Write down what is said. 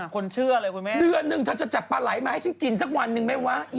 คุ้กสิทธิ์ข่าวจะรับแจ้งว่าอย่างไร